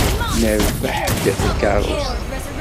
Nerbeḥ-d takeṛṛust.